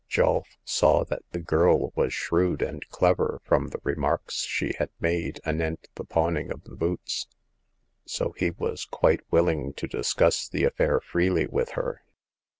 Julf saw that the girl was shrewd and clever from the remarks she had made anent the pawning of the boots ; so he was quite will ing to discuss the affair freely with her.